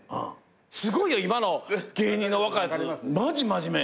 すごいよ今の芸人の若いやつマジ真面目。